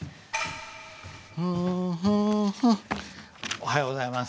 おはようございます。